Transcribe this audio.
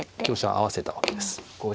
香車を合わせたわけです。